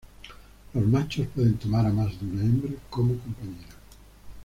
Los machos pueden tomar a más de una hembra como compañera.